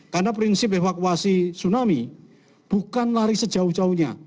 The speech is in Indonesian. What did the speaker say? karena prinsip evakuasi tsunami bukan lari sejauh jauhnya